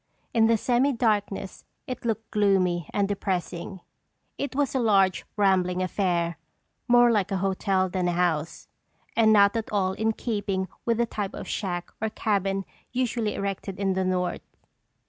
In the semi darkness it looked gloomy and depressing. It was a large, rambling affair, more like a hotel than a house, and not at all in keeping with the type of shack or cabin usually erected in the North.